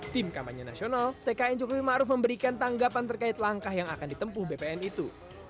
tim kampanye nasional tkn jokowi ⁇ maruf ⁇ memberikan tanggapan terkait langkah yang akan ditempuh bpn itu